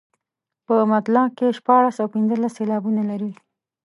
په مطلع کې شپاړس او پنځلس سېلابونه لري.